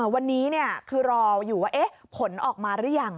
วันนี้คือรออยู่ว่าผลออกมาหรือยัง